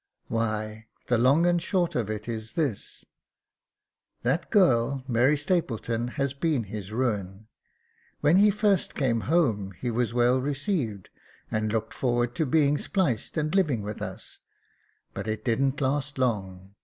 " Why, the long and the short of it is this ; that girl, Mary Stapleton, has been his ruin. When he first came home he was well received, and looked forward to being spliced and living with us ; but it didn't last long.